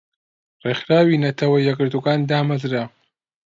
رێکخراوی نەتەوە یەکگرتوەکان دامەزرا